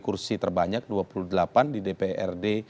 kursi terbanyak dua puluh delapan di dprd